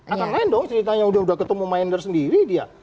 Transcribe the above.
akan lain dong ceritanya sudah ketemu sama endar sendiri dia